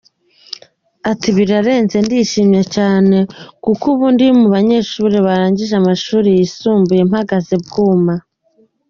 Ati “Birarenze, ndishimye cyane kuko ubu ndi mu banyeshuri barangije amashuri yisumbuye mpagaze bwuma.